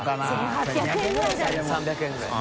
１３００円ぐらい。